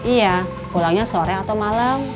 iya pulangnya sore atau malam